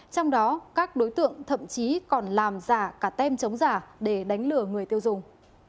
trong đó các đối tượng thậm chí còn làm giả cả tem chống giả để đánh lừa người tiêu dùng